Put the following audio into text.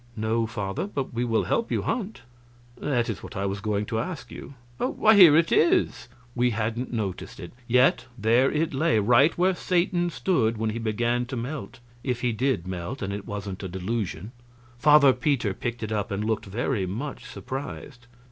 "No, Father, but we will help you hunt." "It is what I was going to ask you. Why, here it is!" We hadn't noticed it; yet there it lay, right where Satan stood when he began to melt if he did melt and it wasn't a delusion. Father Peter picked it up and looked very much surprised.